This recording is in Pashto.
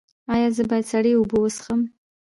ایا زه باید سړې اوبه وڅښم؟